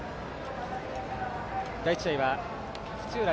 第１試合は土浦